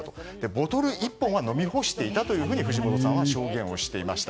ボトル１本は飲み干していたと藤本さんは証言をしていました。